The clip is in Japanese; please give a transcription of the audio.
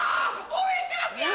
応援してますよ！